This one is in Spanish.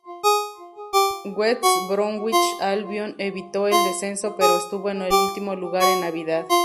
West Bromwich Albion evitó el descenso pero estuvo en el último lugar en Navidad.